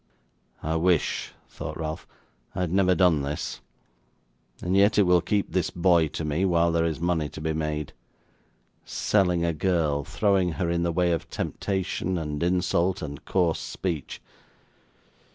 'I wish,' thought Ralph, 'I had never done this. And yet it will keep this boy to me, while there is money to be made. Selling a girl throwing her in the way of temptation, and insult, and coarse speech.